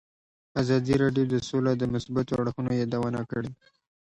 ازادي راډیو د سوله د مثبتو اړخونو یادونه کړې.